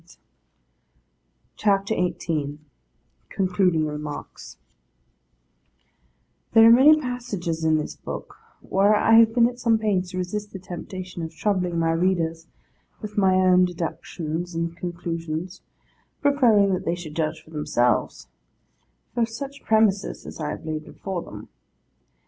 CHAPTER XVIII CONCLUDING REMARKS THERE are many passages in this book, where I have been at some pains to resist the temptation of troubling my readers with my own deductions and conclusions: preferring that they should judge for themselves, from such premises as I have laid before them.